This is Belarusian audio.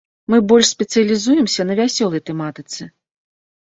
Мы больш спецыялізуемся на вясёлай тэматыцы!